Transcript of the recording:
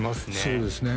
そうですね